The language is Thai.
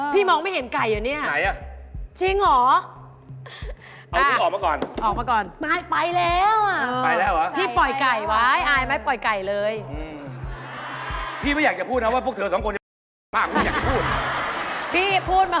พี่เราจะทำยังไงได้